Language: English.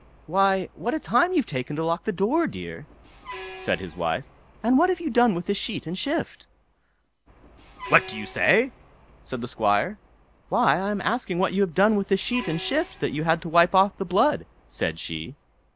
"Why! what a time you've taken to lock the door, dear!" said his wife; "and what have you done with the sheet and shift?" "What do you say?" said the Squire. "Why, I am asking what you have done with the sheet and shift that you had to wipe off the blood", said she.